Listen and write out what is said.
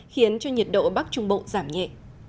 khiến cho nhiệt độ bắc trung bộ giảm nhẹ